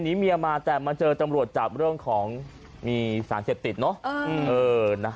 เมียมาแต่มาเจอตำรวจจับเรื่องของมีสารเสพติดเนอะ